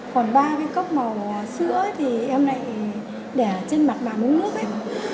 còn ba cái cốc màu sữa thì em lại để trên mặt bàn uống nước ấy